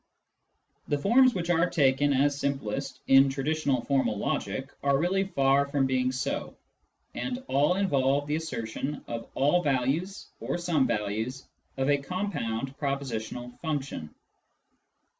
The forms which are taken as simplest in traditional formal logic are really far from being so, and all involve the assertion of all values or some values of a compound propositional function.